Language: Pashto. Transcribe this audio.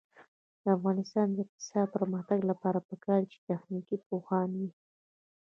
د افغانستان د اقتصادي پرمختګ لپاره پکار ده چې تخنیک پوهان وي.